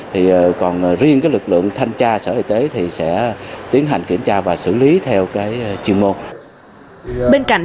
thì còn riêng cái lực lượng thanh tra sở y tế thì sẽ tiến hành kiểm tra và xử lý theo cái chuyên môn